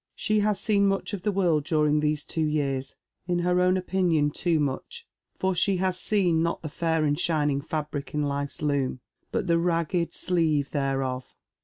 She has seen nmch of the world during these two years — in her own opinion too much, for she has seon not the fair and shining fabric in life's loom, but the ragged sleave thereof.